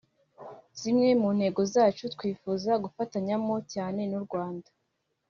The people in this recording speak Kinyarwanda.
zimwe mu ntego zacu twifuza gufatanyamo cyane n’u Rwanda